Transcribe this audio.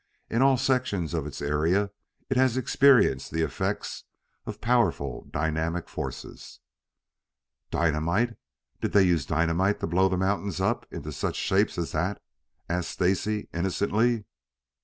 In all sections of its area it has experienced the effects of powerful dynamic forces " "Dynamite did they use dynamite to blow the mountains up into such shapes as that?" asked Stacy innocently.